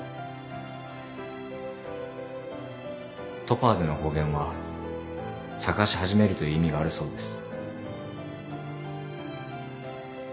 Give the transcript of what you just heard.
トパーズの語源は探し始めるという意味があるそうです。